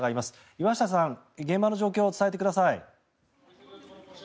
岩下さん、現場の状況を伝えてください。